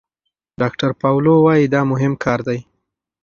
ډاکتر پاولو وايي دا مهم کار دی.